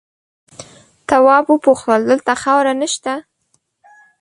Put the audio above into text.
تواب وپوښتل دلته خاوره نه شته؟